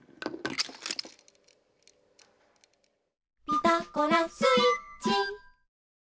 「ピタゴラスイッチ」